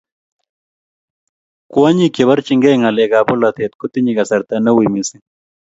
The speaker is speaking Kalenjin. kwonyik cheborchikei ng'alekab bolote kotinyei kasarta neui mising